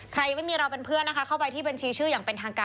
ใครยังไม่มีเราเป็นเพื่อนนะคะ